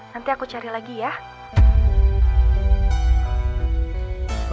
nanti aku cari lagi ya